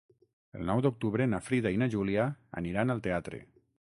El nou d'octubre na Frida i na Júlia aniran al teatre.